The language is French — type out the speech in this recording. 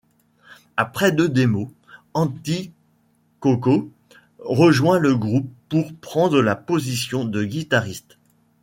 Après deux démos, Antti Kokko rejoint le groupe pour prendre la position de guitariste.